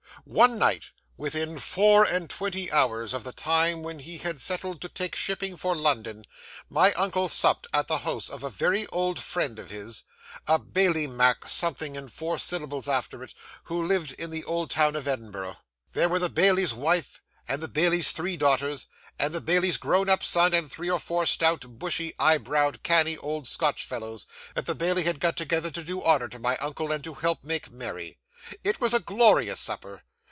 'One night, within four and twenty hours of the time when he had settled to take shipping for London, my uncle supped at the house of a very old friend of his, a Bailie Mac something and four syllables after it, who lived in the old town of Edinburgh. There were the bailie's wife, and the bailie's three daughters, and the bailie's grown up son, and three or four stout, bushy eye browed, canny, old Scotch fellows, that the bailie had got together to do honour to my uncle, and help to make merry. It was a glorious supper.